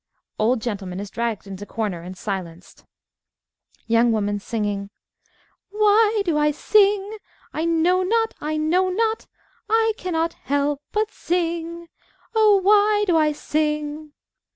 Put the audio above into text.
(Old Gentleman is dragged into corner and silenced.) YOUNG WOMAN "Why do I sing? I know not, I know not! I can not help but sing. Oh, why do I sing?"